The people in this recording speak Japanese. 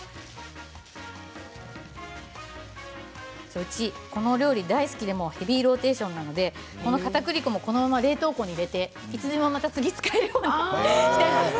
うちはこの料理が大好きでヘビーローテーションなのでかたくり粉もこのまま冷凍庫に入れていつでも使えるようにしています。